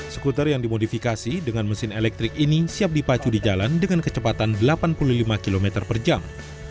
skuter yang dimodifikasi dengan mesin elektrik ini siap dipacu di jalan dengan kecepatan delapan puluh lima km per jam